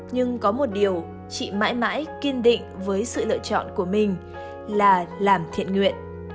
nhưng có một điều chị mãi mãi kiên định với sự lựa chọn của mình là làm thiện nguyện